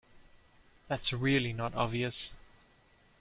That’s really not obvious